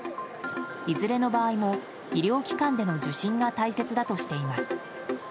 いずれの場合も、医療機関での受診が大切だとしています。